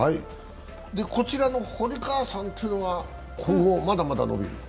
こちらの堀川さんっていうのが、今後、まだまだ伸びる？